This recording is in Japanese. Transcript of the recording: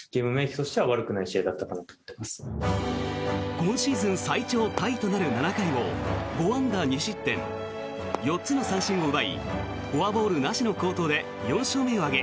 今シーズン最長タイとなる７回を５安打２失点４つの三振を奪いフォアボールなしの好投で４勝目を挙げ